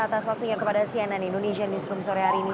atas waktunya kepada cnn indonesia newsroom sore hari ini